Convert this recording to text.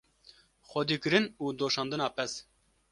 xwedîkirin û doşandina pez